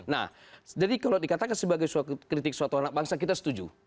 nah jadi kalau dikatakan sebagai kritik suatu anak bangsa kita setuju